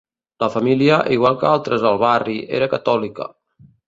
La família, igual que altres al barri, era catòlica.